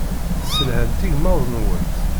Tesselhamt igmaḍ-nwent.